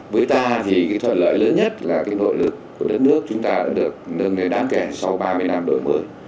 với ta thì thuận lợi lớn nhất là nội lực của đất nước chúng ta đã được nâng nền đáng kèm sau ba mươi năm đổi mới